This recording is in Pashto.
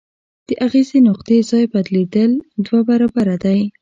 د اغیزې نقطې ځای بدلیدل دوه برابره دی.